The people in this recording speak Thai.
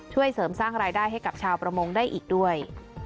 ช่วยเสริมสร้างรายได้ให้กับชาวประมงได้อีกด้วย